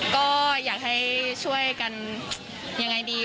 ก็อยากให้ช่วยกันยังไงดี